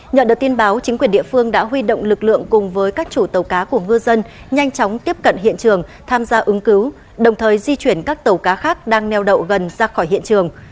nhận được tin báo chính quyền địa phương đã huy động lực lượng cùng với các chủ tàu cá của ngư dân nhanh chóng tiếp cận hiện trường tham gia ứng cứu đồng thời di chuyển các tàu cá khác đang neo đậu gần ra khỏi hiện trường